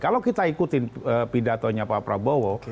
kalau kita ikutin pidatonya pak prabowo